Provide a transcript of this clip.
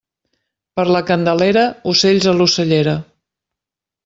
Per la Candelera, ocells a l'ocellera.